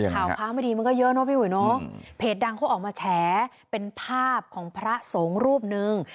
ข่าวพระไม่ดีมันก็เยอะเนอะพี่อุ๋ยเนอะเพจดังเขาออกมาแฉเป็นภาพของพระสงฆ์รูปนึง